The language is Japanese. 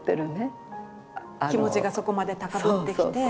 気持ちがそこまで高ぶってきて。